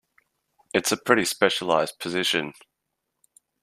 It's a pretty specialized position.